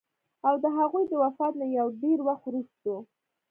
او د هغوي د وفات نه يو ډېر وخت وروستو